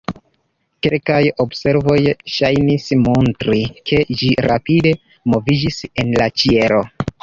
Kelkaj observoj ŝajnis montri, ke ĝi rapide moviĝis en la ĉielo.